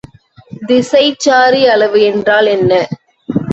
திசைச்சாரி அளவு என்றால் என்ன?